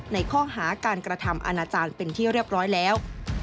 ในข้อหาการกระทำอาณาจารย์เป็นที่เรียบร้อยแล้ว